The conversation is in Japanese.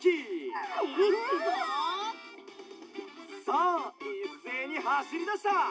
さあいっせいにはしりだした！